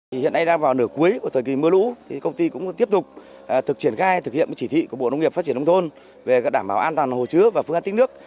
hiện nay đang vào nửa cuối của thời kỳ mưa lũ công ty cũng tiếp tục thực hiện chỉ thị của bộ nông nghiệp phát triển nông thôn về đảm bảo an toàn hồ chứa và phương án tích nước